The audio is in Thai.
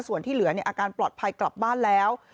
ส่วนที่เหลืออาการปลอดภัยกลับบ้านแล้ว